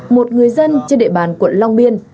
một người dân trên địa bàn quận long biên